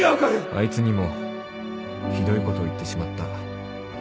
あいつにもひどいことを言ってしまった